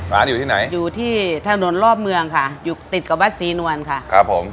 ร้านอยู่ที่ไหนอยู่ที่ถนนรอบเมืองค่ะอยู่ติดกับวัดศรีนวลค่ะครับผม